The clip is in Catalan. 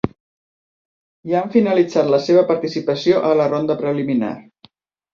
Ja han finalitzat la seva participació a la ronda preliminar.